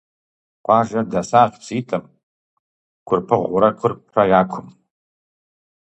Къуажэр дэсащ пситӀым – Курпыгъурэ Курпрэ – я кум.